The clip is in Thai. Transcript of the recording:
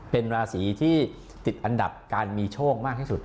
เป็นราศีที่ติดอันดับการมีโชคมากที่สุด